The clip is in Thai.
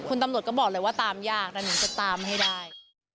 คุณตำรวจก็บอกเลยว่าตามยากแต่หนูจะตามให้ได้